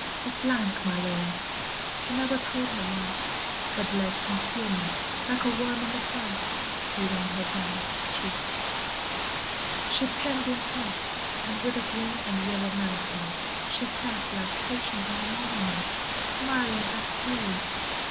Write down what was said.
DUKE. And what's her history? VIOLA. A blank, my lord. She never told her love, But let concealment, like a worm i' the bud, Feed on her damask cheek; she pined in thought; And, with a green and yellow melancholy, She sat like Patience on a monument, Smiling at grief.